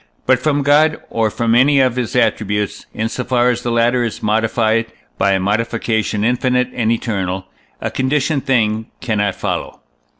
But from God, or from any of his attributes, in so far as the latter is modified by a modification infinite and eternal, a conditioned thing cannot follow.